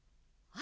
あ。